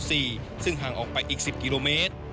ซึ่งห่างออกไปอีก๑๐กิโลเมตร